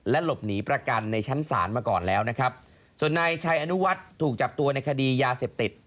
หลบหนีประกันในชั้นศาลมาก่อนแล้วนะครับส่วนนายชัยอนุวัฒน์ถูกจับตัวในคดียาเสพติด